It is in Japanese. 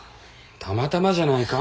たまたまじゃないか？